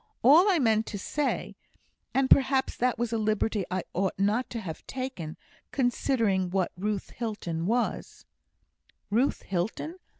All I meant to say and perhaps that was a liberty I ought not to have taken, considering what Ruth Hilton was " "Ruth Hilton!"